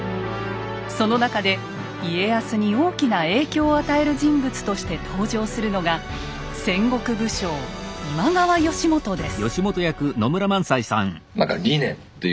その中で家康に大きな影響を与える人物として登場するのが戦国武将今川義元です。